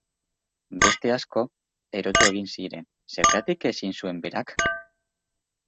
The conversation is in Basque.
Beste asko erotu egin ziren, zergatik ezin zuen berak?